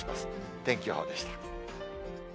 天気予報でした。